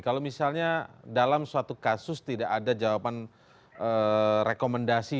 kalau misalnya dalam suatu kasus tidak ada jawaban rekomendasi